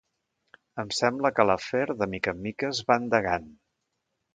Em sembla que l'afer, de mica en mica, es va endegant.